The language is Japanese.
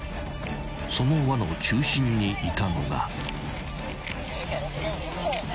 ［その輪の中心にいたのが］